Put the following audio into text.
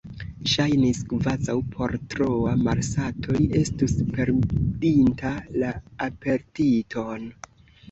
Ŝajnis, kvazaŭ pro troa malsato li estus perdinta la apetiton.